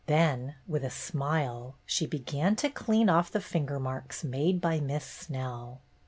Then, with a smile, she began to clean off the finger marks made by Miss Snell.